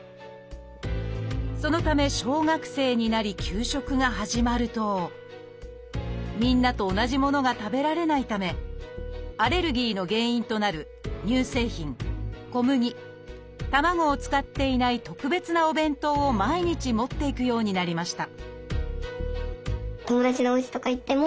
そのため小学生になり給食が始まるとみんなと同じものが食べられないためアレルギーの原因となる乳製品小麦卵を使っていない特別なお弁当を毎日持っていくようになりました